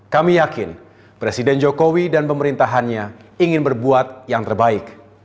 kami yakin presiden jokowi dan pemerintahannya ingin berbuat yang terbaik